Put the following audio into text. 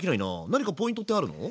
何かポイントってあるの？